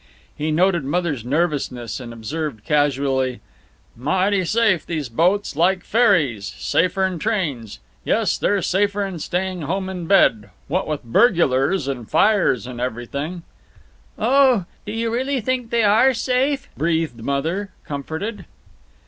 He noted Mother's nervousness and observed, casually, "Mighty safe, these boats. Like ferries. Safer 'n trains. Yes, they're safer 'n staying home in bed, what with burgulars and fires and everything." "Oh, do you really think they are safe?" breathed Mother, comforted.